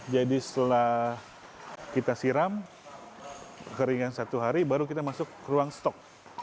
jadi setelah kita siram keringin satu hari baru kita masuk ke ruang stok